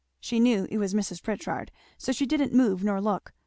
She knew it was Mrs. Pritchard, so she didn't move nor look.